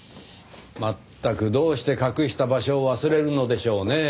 まったくどうして隠した場所を忘れるのでしょうねぇ。